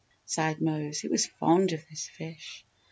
sighed Mose, who was fond of this fish.